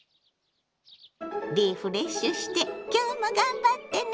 リフレッシュして今日も頑張ってね！